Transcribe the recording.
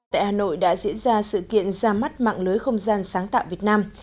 tại hà nội đã diễn ra sự kiện ra mắt mạng lưới không gian sáng tạo việt nam